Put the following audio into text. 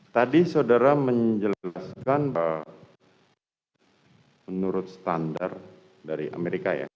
tadi saudara menjelaskan bahwa menurut standar dari amerika ya